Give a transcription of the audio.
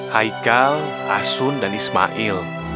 haikal asun dan ismail